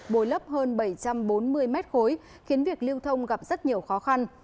bồi lấp hơn bảy trăm bốn mươi mét khối khiến việc lưu thông gặp rất nhiều khó khăn